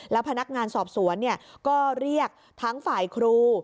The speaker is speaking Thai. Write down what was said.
แล้วพนักงานสอบสวนก็เรียกทั้งฝ่ายครู